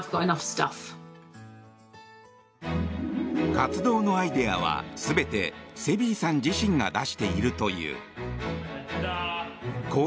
活動のアイデアは全てセビーさん自身が出しているという。